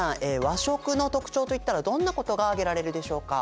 和食の特徴といったらどんなことが挙げられるでしょうか？